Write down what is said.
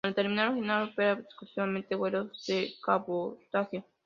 La terminal original opera exclusivamente vuelos de cabotaje.